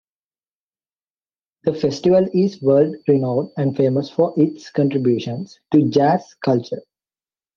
The festival is world-renowned and famous for its contributions to jazz culture.